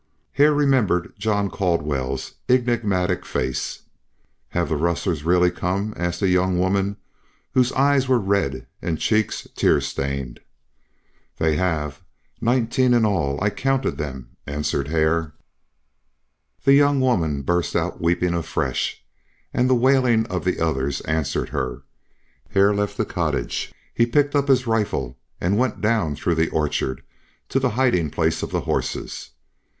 Hare remembered John Caldwell's enigmatic face. "Have the rustlers really come?" asked a young woman, whose eyes were red and cheeks tear stained. "They have. Nineteen in all. I counted them," answered Hare. The young woman burst out weeping afresh, and the wailing of the others answered her. Hare left the cottage. He picked up his rifle and went down through the orchard to the hiding place of the horses.